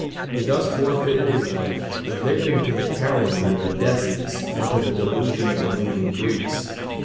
He thus forfeited his life, a victim to the calumny of Odysseus and to the delusion of the leading Greeks.